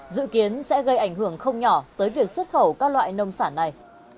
dự kiến sẽ gây ảnh hưởng không nhỏ tới việc xuất khẩu các loại nông sản này